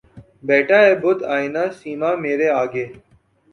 بیٹھا ہے بت آئنہ سیما مرے آگے